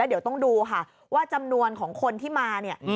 เดี๋ยวต้องดูค่ะว่าจำนวนของคนที่มาเนี่ย